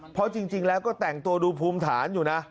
เพราะจริงแล้วก็แต่งตัวดูภูมิฐานอยู่นะ